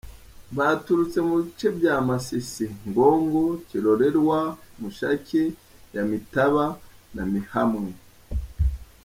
Baturutse mu bice bya Masisi, Ngongo, Kilolerwa, Mushaki, Nyamitaba na Mihamwe.